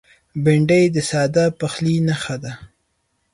بېنډۍ د ساده پخلي نښه ده